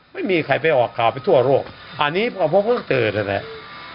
ไม่มีใครไปออกข่าวไปทั่วโลกอันนี้พอผมก็เจอนั่นแหละ